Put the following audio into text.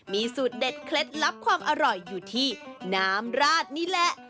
มีสูตรเด็ดเคล็ดลับความอร่อยอยู่ที่น้ำราดนี่แหละ